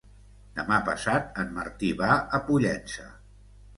Demà passat en Martí va a Pollença.